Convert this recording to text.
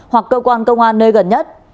hoặc cơ quan công an nơi gần nhất